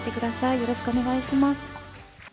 よろしくお願いします。